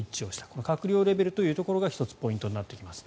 この閣僚レベルということが１つポイントになってきます。